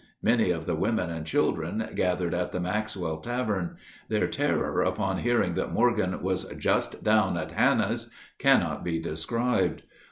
Many of the women and children gathered at the Maxwell Tavern. Their terror upon hearing that Morgan was "just down at Hanna's" cannot be described.